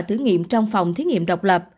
thử nghiệm trong phòng thí nghiệm độc lập